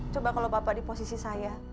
coba kalau bapak di posisi saya